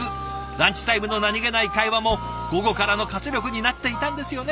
ランチタイムの何気ない会話も午後からの活力になっていたんですよね。